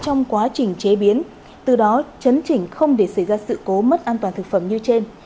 trong quá trình chế biến từ đó chấn chỉnh không để xảy ra sự cố mất an toàn thực phẩm như trên